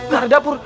ke arah dapur